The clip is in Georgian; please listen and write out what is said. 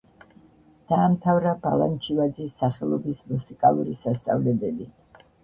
დაამთავრა ბალანჩივაძის სახელობის მუსიკალური სასწავლებელი.